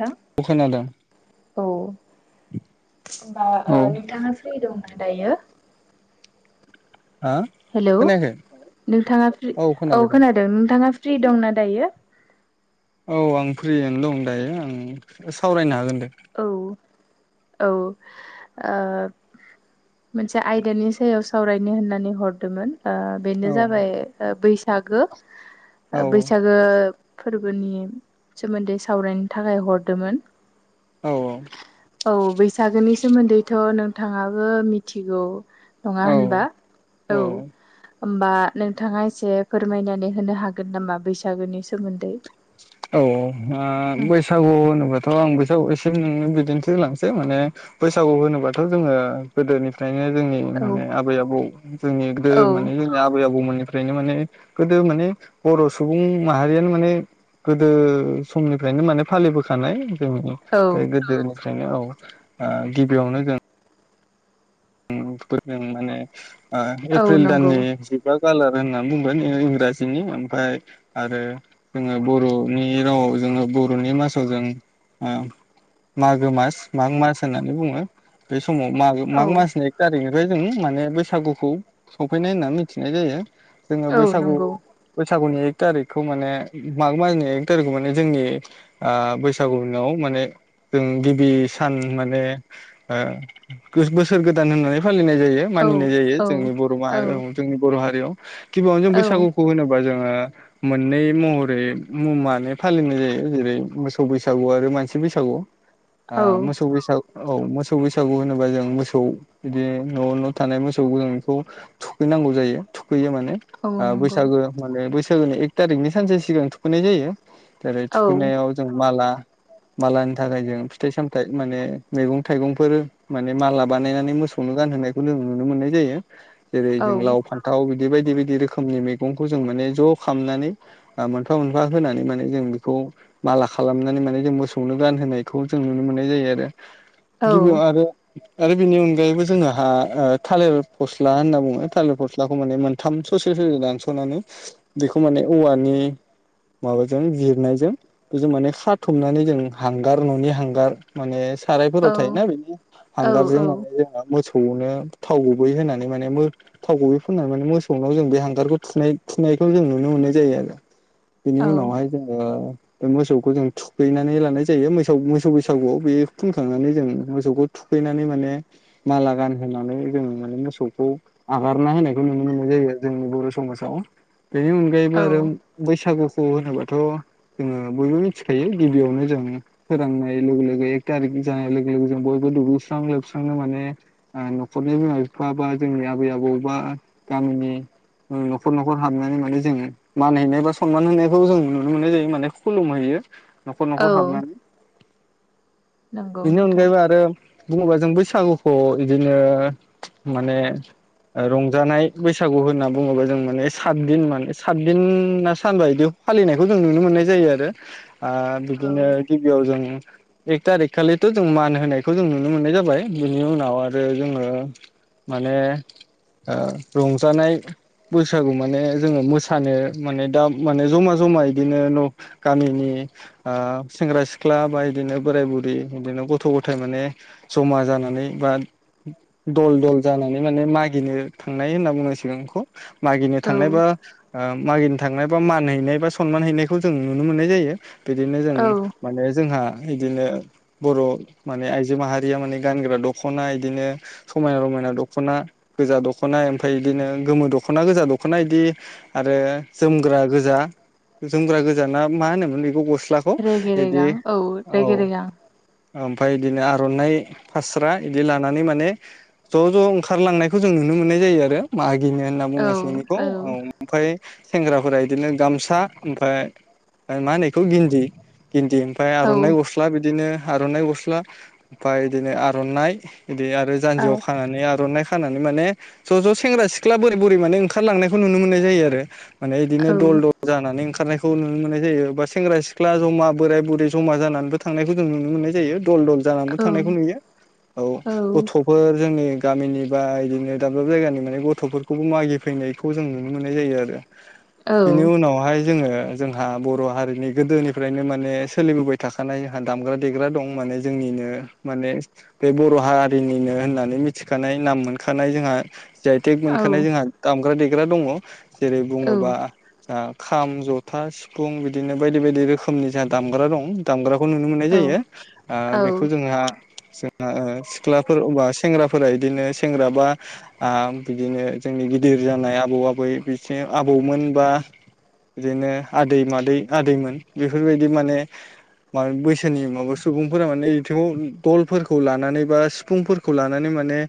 नोंथां अ खोनादाें औ होनबा औ नोंथाङा फ्रि दं आ दायो हा हेलौ खोनायाखै नोंथाङा फ्रि औ खोनाबाय दा खोनादों नोंथाङा फ्रि दंना दायो औ आं फ्रियानो दं दायो आं सावरायनो हागोन दे औ औ ओ मोनसे आयदानि सायाव सावरायनो होननानै हरदोंमोन। बेनो औ जाबाय बैसागो औ बैसागो फोरबोनि सोमोन्दै सावरायनो थाखाय हरदोमोन औ औ बैसागोनि सोमोन्दैथ' नोंथाङाबो मिथिगौ। नङा होनबा औ औ होमबा नोंथाङा एसे फोरमायनानै होनो हागोन नामा बैसागोनि सोमोन्दै। औ औ बैसागु होनोबथ' आं बैसागु एसे बिदिन्थि होलांसै माने बैसागु होनोबाथ' जोङो गोदोनिफ्राय नो जोंनि औ माने आबै आबौ जोंनि गो माने औ जोंनि आबै आबौ मोननि निफ्रायनो माने गोदो माने बर' सुबुं माहारियानो माने गोदो समनिफ्रायनो माने फालिबोखानाय जोंनि औ ओफ्राय गोदोनिफ्राय ओखायनो औ गिबियावनो जों माने औ एप्रिल नंगौ दाननि जिबा कालार होननानै बुंगोन इंराजिनि ओमफ्राय आरो जोङो बर'नि राव जोङो बर'नि मासाव जों मागो मास माग मास होननानै बुङो बे समाव मो माग औ मास बेनिफ्राय जों माने बैसागुखौ सफैनाय होनना मिथिनाय जायो जोङो औ बैसागु नंगौ बैसागुनि थारिखखौ माने माग मासनि एक तारिखखौ माने जोंनि बैसागुनाव माने जों गिबि सान माने बोसोर बोसोर गोदान होननानै फालिनाय जायो औ मानिनाय जायो औ जोंनि बर' औ जोंनि बर' हारियाव गिबियावनो जों औ बैसागुखौ होनोबा जों मोननै महरै मा फालिनाय जायो जेरै मोसौ बैसागु आरो मानसि बसागु औ मोसौ बैसागु होनोबा जों मोसौ ओ बिदि न'आवनो थानाय मोसौ गोरानखौ थुखैनांगौ जायो थुखैयो माने औ नंगौ बैसागो माने बैसागोनि एक थारिखनि सानसे सिगां थुखैनाय जायो जेरै औ थुखैनायाव जों माला मालानि थाखाय जों फिथाइ सामथायाइ माने मैगं थाइगंफोर माने माला बानायनानै मोसौनो गानहोनायखौ जों नुनो मोननाय जायो जेरै औ जों लाव फान्थाव बिदि बे बायदि बायदि रोखोमनि मैगंखौ जों माने ज' खालामनानै मोनफा मोनफा होनानै माने जों बेखौ माला खालामनानै माने जों मोसौनो गानहोनायखौ जों नुनो मोननाय जायो आरो औ गिबिआव आरो आरो बेनि अनगायैबो जोंहा थालिर फस्ला होनना बुङो थालिर फस्लाखौ माने मोनथाम ससे दानस'नानै बेखौ माने औवानि माबाजों जिरनायजों बेजों माने खाथबनानै जों हांगार न'नि हांगार माने सारायफोराव औ थायोना बेनि हांगारजों माने जोो मो मोसौआवनो थाव गुबै होनानै माने थाव गुबै फुननानै माने मोसौनोाव जों बे हांगारखौनायिनाय खौ जों नुनो मोननाय जायो आरो बेनि औ उनावहाय जोङो बे मोसौखौ जों थुगैनानै लानाय जायो मोसौ मोसौ बैसागुआव बे फुनखांनानै जों मोसौखौ थुखैनानै माने माला गानहोनानै जोङो माने मोसौखौ आगारना होनायखौ नुनो मोनो ज जोंनि बर' समाव बेनि अनगायैबो औ आरो बैसागु होनोबाथ' जोङो बयबो मिथिखायो गिबियावनो जों फोरोंनाय लोगो लोगो एक थारिक [unintelligible] [inaudible] दुगैस्रां लोबस्रांनो माने न'खरनि बिमा बिफा बा जोंनि आबै आबौ बा गामि [unintelligible] [inaudible] न'खर न'खर हाबनानै माने जों मानहैनाय बा सनमान होनायखौ जों नुनो मोननाय जायो माने खुलुमहैयो न'खर न'ख औ हाबनानै नंगौ बिनि नोंथां अनगायैबो आरो बुङोबा जों बैसागुखौ बिदिनो माने रंजानाय बैसागु होनना बुङोबा जों माने सातदिन माने सातदिना सानबायदिव फालिनायखौ जों नुनो मोननाय जायो आरो आ औ बिदिनो गिबियाव जों एक थारिक खालिथ' जों मान होनाय- खौ जों नुनो मोननाय जाबाय बिनि उनाव आरो जोङो माने अ रंजानाय बैसागु माने जोङो मोसानो माने दा माने जमा-जमा बिदिनो न' गामिनि अ सेंग्रा सिख्ला बा बिदिनो बोराय बुरै बिदि गथ' ग- थाय माने जमा जानानै बा दल-दल जानानै माने मागिनो थांनाय होनना बुंनां- सिगोनखौ मागिनो औ थांनायबा ओ मागिनो थांनाय बा मान हैनाय बा सनमान हैनायखौ जों नुनो मोननाय जायो। बिदिनो जों औ माने जोंहा बिदिनो बर' माने आइजो माहारिया माने गानग्रा दख'ना बिदिनो समायना रमायना दख'ना गोजा दख'ना ओमफ्राय इदिनो गोमो दख'ना गोजा दख'ना बिदि आरो जोमग्रा गोजा जोमग्रा गोजाना मा होनोमोन बेखौ गस्लाखौ रेगे बिदि रेगां औ औ रेगे रेगां फाय इदिनो आर'नाइ फास्रा इदि लानानै माने ज' ज' ओंखारलांनायखौ जों नुनो मोननाय जायो आरो मागिनो होनना औ बुंनांसै बेखौ औ ओमफ्राय सेंग्राफोरा बिदिनो गामसा ओमफ्राय मा होनोखौ गिन्दि गिन्दि ओमफ्राय औ आर'नाइ गस्ला बिदिनो आर'नाइ गस ला ओमफ्राय बिदिनो आर'नाइ बिदि आरो औ जान्जिआव खानानै आर'नाइ खानानै माने ज' ज' सेंग्रा सिख्ला बोराय बोरै माने ओंखारलांनायखौ नुनो मोननाय जायो आरो माने इदिनो औ दल-दल जानानै ओं खारनायखौ नुनो मोन्नाय जायो बा सेंग्रा सिख्ला जमा बोराय बुरै जमा जानानैबो थांनायखौ जों नुनो मोन्नाय जायो। दल-दल जानाबो थांनायखौ नुयो। औ गथ'फोर जोंनि गामिनि बा इदिनो दाब-दाब जायगानि माने गथ'फोरखौबो मागिफै नायखौ जों नुनो मोननाय जायो आरो औ बेनि उनावहाय जोङो जोंहा बर' हारिनि गोदोनिफ्रायनो माने सोलिबोबाय थाखानाय दामग्रा देग्रा दं माने जोंनिनो माने बे बर' हारिनिनो होननानै मिथिखानाय नाम मोनखानाय जोंहा जि आय थेक मोनखानाय जोंहा दामग्रा देग्रा दङ' जेरै बुङोबा आ खाम जथा सिफुं बिदिनो बायदि-बायदि रोखोमनि जा दामग्रा दं दामग्रा खौ नुनो मोननाय औ जायो आ औ बेखौ जोंहा जोंहा ओ सिख्लाफोर बा सेंग्राफोरा बिदिनो सेंग्र बा आ बिदिनो जोंनि गिदिर जानाय आबौ आबै बिथिं आबौमोन बा बिदिनो आदै मादै आदैमोन बेफोरबायदि माने मा बैसोनि माबा सुबुंफोरा माने इथिङाव दलफोरखौ लानानै बा सिफुंफोरखौ लानानै माने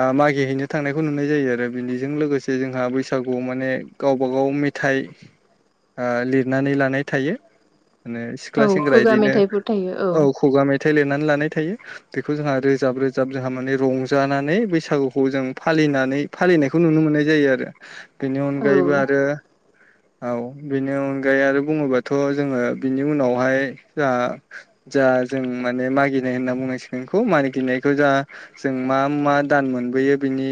आ मागि हैनो थांनायखौ नुनाय जायो आरो बिनिजों लोगोसे जोंहा बैसागुआव माने गावबा गाव मेथाइ ओ लिरनानै लानाय थायो माने सिख्ला औ सेंग्रा खुगा बिदिनो मेथाइफोर थायो औ खुगा मे थाइ लिरनानै लानाय थायो बेखौ जोंहा रोजाब-रोजाब जोंहा माने रंजानानै बैसागुखौ जों फालि‌ लिनानै फालिनायखौ नुनो मोननाय जायो आरो बेनि अनगायैबो औ आरो औ बेनि अनगायै आरो बुङोबाथ' जोङो बिनि उनावहाय जा जा जों माने मागिनाय होनना बुंनांसिगोनखौ मागिनायखौ जा जों मा मा दान मो बोयो बिनि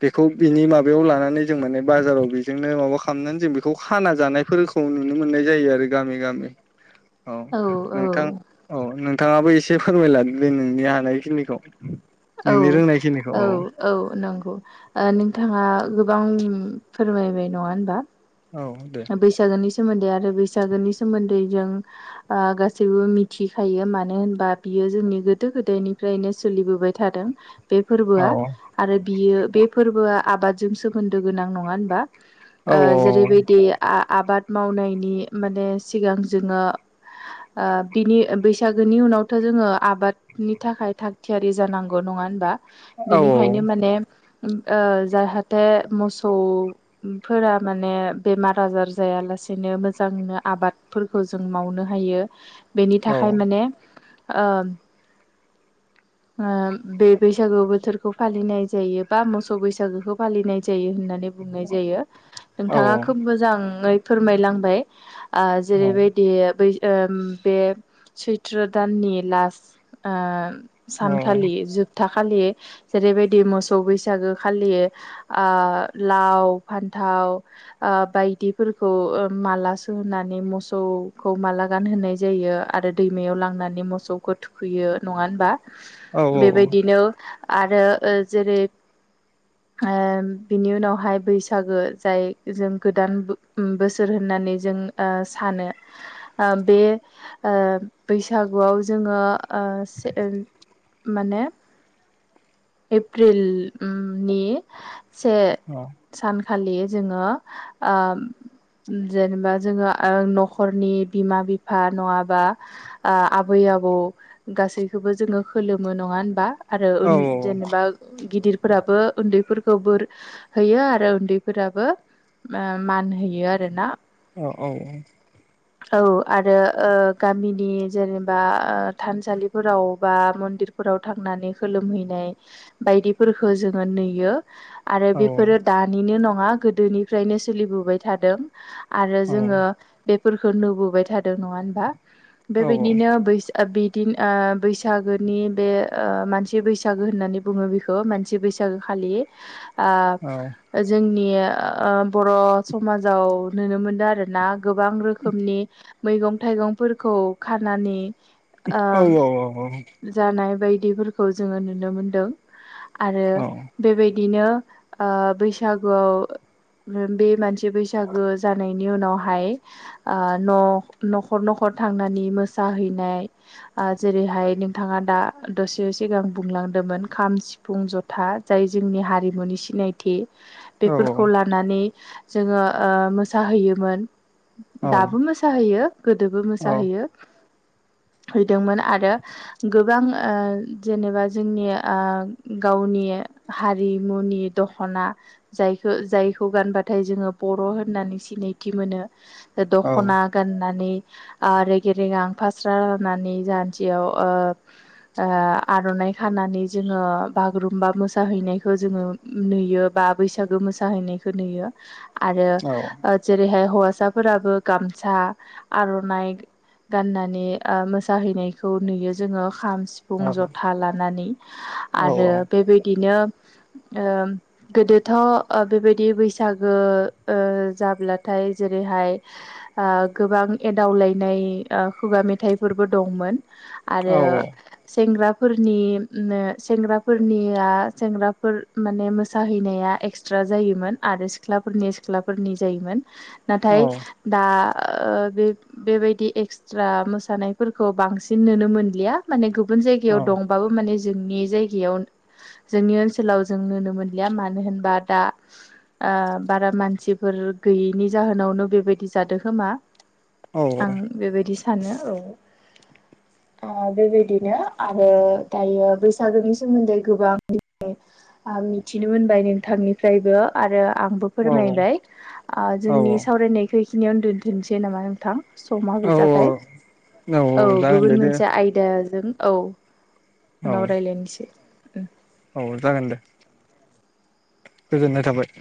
बेखौ बिनि माबायाव लानानै जों माने बाजाराव बेजोंनो माबा खालामनानै जों बेखौ खाना जानायफोर खौ नुनो मोननाय जायो आरो गामि-गामि औ नोंथां औ नोंथाङाबो एसे फोरमायलादो दे नोंनि हानायखिनिखौ औ नोंनि रोंनायखिनिखौ औ औ नंगौ अ नोंथाङा गो बां फोरमायबाय नङा होनबा। औ दे बैसागुनि स सोमोन्दै आरो बैसागुनि सोमोन्दै जों आ गासैबो मिथिखायो मानो होनबा बियो जोंनि गोदो गोदायनिफ्रायनो सोलिबोबाय थादों। बे औ फोरबोआ आरो बियो बे फोरबोआ आबादजों सोमोन्दो गोनां नङा होनबा? औ औ औ औ आ-आबाद मावनायनि माने सिगां जोङो ओ बिनि बैसागोनि उनावथ' जोङो आबादनि थाखाय थाग थियारि जानांगौ नङा होनबा? औ बेनिखायनो औ माने ओ जाहाथे मोसौफोरा माने बेमार आजार जायालासेनो मोजांनो आबादफोरखौ जों मावनो हायो। बेनि औ थाखाय माने ओ ओम बे बैसागु बोथोरखौ फालिनाय जायो बा मोसौ बैसागोखौ फालिनाय जायो होननानै बुंनाय जायो नोंथाङा खोब मोजाङै फोरमायलांबाय ओ जेरैबायदि बै ओम बे सैथ्र' दाननि लास्ट ओ औ सानखालि जुब था खालि जेरैबायदि मोसौ बैसागो खालि ओ लाव फान्थाव थाव आ बायदिफोरखौ ओ माला सोहोनानै मोसौखौ माला गानहोनाय जायो आ आरो दैमायाव लांनानै मोसौखौ थुखैयो नङा होनबा औ औ बेबायदिनो आरो ओ जेरै ओम बिनि उनावहाय बैसागो जाय जों गोदान बो-बोसोर होननानै जों सानो ओ बे ओ बैसागुआव जोङो ओ से माने एप्रिल ओम नि से औ सानखालि जोङो ओ जेनेबा जोङो ओ न'खरनि बिमा बिफा नङाबा ओ आबै आ आबौ गासैखौबो जोङो खोलोमो नङा होनबा आरो ओन जेनेबा गिदिर फोराबो उन्दैफोरखौ बोर होयो आरो उन्दैफोराबो आ मान होयो आरोना। औ औ औ। औ आरो ओ गामिनि जेनेबा ओ थानसालिफोराव बा मन्दिरफोराव थांनानै खोलोमहैनाय बायदिफोरखौ जोङो नुयो। आरो बेफोरो दानिनो नङा गोदोनिफ्रायनो सोलिबोबाय थादों। आरो जोङो बेफोरखौ नुबोबाय थादों नङा होनबा बेबायदिनो बैसा बिदिन ओ बैसागोनि बे ओ मानसि बैसागो होननानै बुङो बेखौ मानसि बैसाग बैसागो खालि आ जोंनि ओ बर' समाजाव नुनो मोनदों आरोना। गोबां रोखोमनि मैगं थाइगंफोरखौ खानानै ओ जानाय बायदि दिफोरखौ जोंयो नुनो मोन्दों आरो बेबाय दिनो ओ बैसागुआव बे मानसि बैसागो जानायनि उनावहाय ओ न न'खर न'खर थांनानै मोसाहैनाय आ जेरैहाय नोंथाङा दा दसे सिगां बुंलां दोंमोन खाम, सिफुं, जथा जाय जोंनि हारिमुनि सिनायथि। बेफोरखौ लानानै जोङो ओ मोसाहैयोमोन। दाबो मोसाहैयो गोदोबो मोसाहैयो। हैदोंमोन आरो गोबां ओ जेनेबा जोंनि ओ गावनि हारिमुनि दखना जायखौ जाय खौ गानबाथाय जोङो बर' होननानै सिनायथि मोनो दख'ना गाननानै आ रेगे रेगां फास्रा गाननानै जान्जियाव ओ ओ आर'नाइ खानानै जोङो बागुरुम्बा मोसाहैनायखौ जोङो नुयो। बा बैसागो मोसाहैनायखौ नुयो आरो ओ जेरैहाय हौवासाफोराबो गामसा आर'नाइ गाननानै ओ मोसाहैनायखौ नुयो जोङो। खाम, सिफुं, जथा लानानै आरो बेबायदिनो ओ गोदोथ' ओ बेबायदि बिदि बैसागो ओ जाब्लाथाय जेरैहाय ओ गोबां एदाव लायनाय खुगा मेथाइफोरबो दंमोन आरो सेंग्रा फोरनि सेंग्राफोरनिया सेंग्राफोर माने मोसाहैनाया एक्सट्रा जायोमोन आरो सिख्लाफोरनि सिख्लाफोरनि जायोमोन नाथाय दा ओ बेबायदि एक्सट्रा मोसानायफोरखौ बांसिन नुनो मोनलिया माने गुब गुबुन जायगायाव औ दंबाबो माने जोंनि जायगायाव जोंनि ओनसोलाव जों नुनो मोनलिया मानो होनबा दा आ बारा मानसिफोर गैयैनि जाहोनावनो बेबायदि जादों खोमा? आं बेबायदि सानो औ। बेबायदिनो आरो दायो बैसागोनि सोमोन्दै गोबां दि आं मिथिनो मोनबाय नोंथांनिफ्रायबो। आरो आंबो औ औ फोरमायबाय जोंनि सावरायनायखौ बेखिनियाव दोन्थ'सै नामा नोंथां। समाबो औ जाबाय औ जागोन दे गुबुन दे मोनसे आयद जों औ औ उनाव रायज्लायनोसै। औ जागोन दे गोजोननाय थाबाय।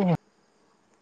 अह।